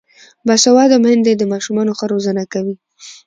باسواده میندې د ماشومانو ښه روزنه کوي.